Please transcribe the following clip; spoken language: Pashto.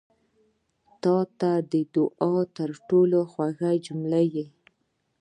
• ته د دعا تر ټولو خوږه جمله یې.